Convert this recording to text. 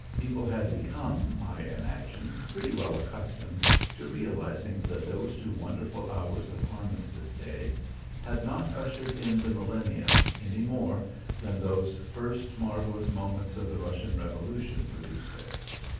People had become, I imagine, pretty well accustomed to realizing that those two wonderful hours of Armistice day had not ushered in the millennium any more than those first marvellous moments of the Russian revolution produced it.